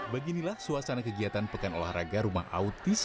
beginilah suasana kegiatan pekan olahraga rumah autis